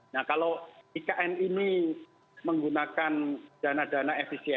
nah kalau ikn ini menggunakan dana dana efisien